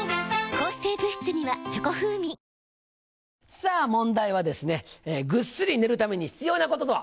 さぁ問題はですねぐっすり寝るために必要なこととは？